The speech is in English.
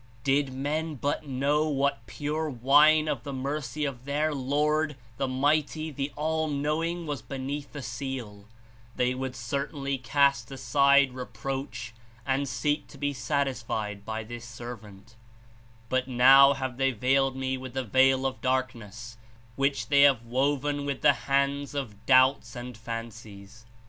103 "Did men but know what pure wine of the mercy of their Lord, the Mighty, the All knowing, was be neath the seal, they w^ould certainly cast aside re proach and seek to be satisfied by this servant; but now ha\'e they veiled me with the veil of darkness, • which thev have woven with the hands of doubts and fancies."